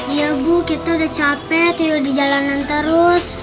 iya bu kita udah capek tidur di jalanan terus